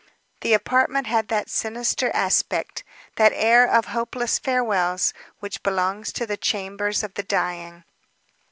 The apartment had that sinister aspect, that air of hopeless farewells, which belongs to the chambers of the dying.